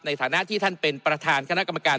ในฐานะที่ท่านเป็นประธานคณะกรรมการ